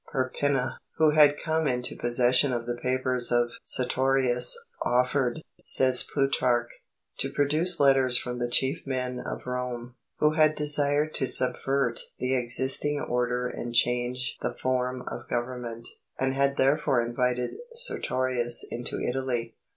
"Perpenna, who had come into possession of the papers of Sertorius, offered," says Plutarch, "to produce letters from the chief men of Rome, who had desired to subvert the existing order and change the form of government, and had therefore invited Sertorius into Italy.